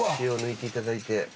串を抜いていただいて。